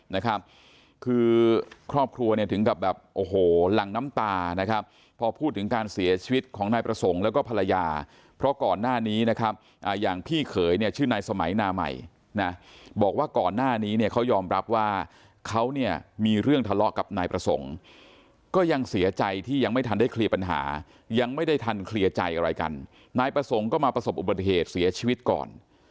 นะครับคือครอบครัวเนี่ยถึงกับแบบโอ้โหหลังน้ำตานะครับพอพูดถึงการเสียชีวิตของนายประสงค์แล้วก็ภรรยาเพราะก่อนหน้านี้นะครับอย่างพี่เขยเนี่ยชื่อนายสมัยนาใหม่นะบอกว่าก่อนหน้านี้เนี่ยเขายอมรับว่าเขาเนี่ยมีเรื่องทะเลาะกับนายประสงค์ก็ยังเสียใจที่ยังไม่ทันได้เคลียร์ปัญหายังไม่ได้ทันเคลียร์ใจอะไรกันนายประสงค์ก็มาประสบอุบัติเหตุเสียชีวิตก่อน